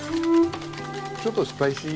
ちょっとスパイシー。